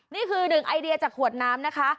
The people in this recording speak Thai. นี่คือหนึ่งไอเดียจากขวดน้ำนะคะ